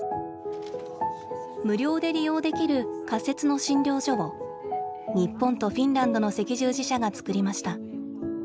無料で利用できる仮設の診療所を日本とフィンランドの赤十字社が作りました。